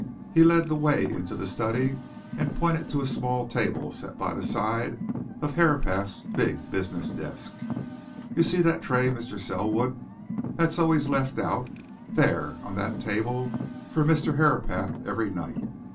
He led the way into the study and pointed to a small table set by the side of Herapath's big business desk. "You see that tray, Mr. Selwood? That's always left out, there, on that table, for Mr. Herapath every night.